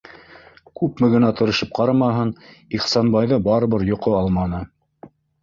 Күпме генә тырышып ҡарамаһын, Ихсанбайҙы барыбер йоҡо алманы.